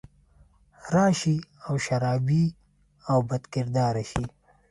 راشي او شرابي او بدکرداره شي